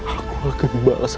aku akan balas